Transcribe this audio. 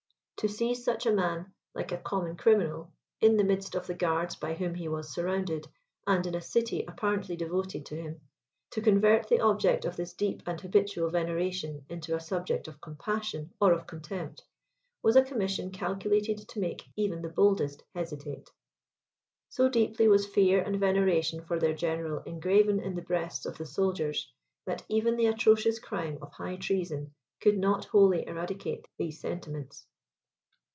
To seize such a man, like a common criminal, in the midst of the guards by whom he was surrounded, and in a city apparently devoted to him; to convert the object of this deep and habitual veneration into a subject of compassion, or of contempt, was a commission calculated to make even the boldest hesitate. So deeply was fear and veneration for their general engraven in the breasts of the soldiers, that even the atrocious crime of high treason could not wholly eradicate these sentiments.